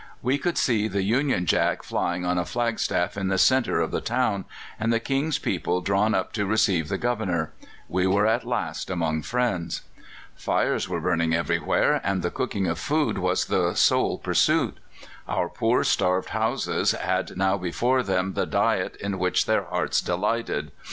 We could see the Union Jack flying on a flagstaff in the centre of the town, and the King's people drawn up to receive the Governor. We were at last among friends. "Fires were burning everywhere, and the cooking of food was the sole pursuit. Our poor starved Hausas had now before them the diet in which their hearts delighted.